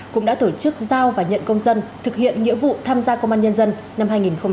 cũng đã tổ chức giao và nhận công dân thực hiện nghĩa vụ tham gia công an nhân dân